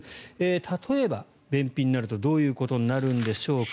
例えば、便秘になるとどういうことになるんでしょう。